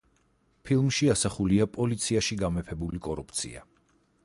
ფილმში ასახულია პოლიციაში გამეფებული კორუფცია.